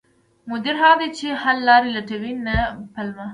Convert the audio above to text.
مدیر هغه دی چې حل لارې لټوي، نه پلمه